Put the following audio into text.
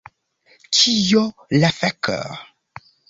Kio la fek'...